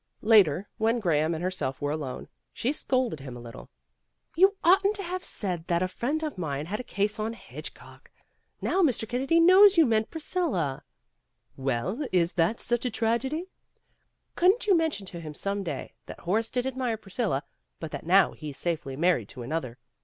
Later, when Graham and herself were alone, she scolded him a little. "You oughtn't to have said that a friend of mine had a case on Hitch cock. Now Mr. Kennedy knows you meant Priscilla." A SURPRISE 295 "Well, is that such a tragedy?" "Couldn't you mention to him some day that Horace did admire Priscilla, but that now he's safely married to another.